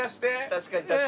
確かに。